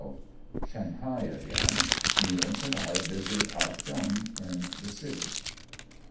SHANGHAI AGAIN — NEALANCE AND I VISIT AH CHEONG IN THE CITY.